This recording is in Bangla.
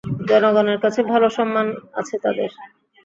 জনগণের কাছে ভালো সম্মান আছে তাদের।